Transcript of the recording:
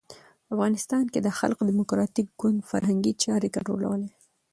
په افغانستان کې خلق ډیموکراټیک ګوند فرهنګي چارې کنټرولولې.